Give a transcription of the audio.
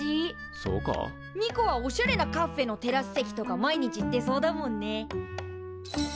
ニコはおしゃれなカッフェのテラス席とか毎日行ってそうだもんね。